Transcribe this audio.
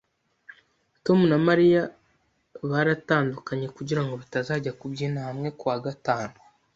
Tom na Mariya baratandukanye, kugirango batazajya kubyina hamwe kuwa gatanu